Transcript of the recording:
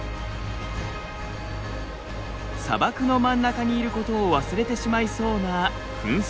砂漠の真ん中にいることを忘れてしまいそうな噴水。